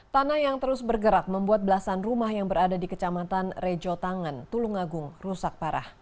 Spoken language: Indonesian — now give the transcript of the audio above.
tanah yang terus bergerak membuat belasan rumah yang berada di kecamatan rejo tangan tulungagung rusak parah